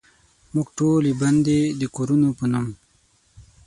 موږ ټولې بندې دکورونو په نوم،